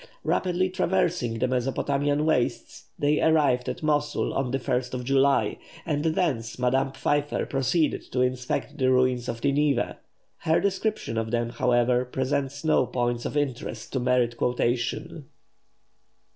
Rapidly traversing the Mesopotamian wastes, they arrived at Mosul on the 1st of July, and thence Madame Pfeiffer proceeded to inspect the ruins of Nineveh. Her description of them, however, presents no points of interest to merit quotation.